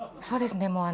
そうですね。